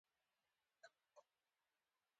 دوی غواړي پر دې پوه شي چې ژوند څنګه جوړ کړي.